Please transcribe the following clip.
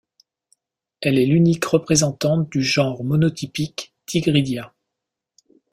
Elle est l'unique représentante du genre monotypique Tigridia.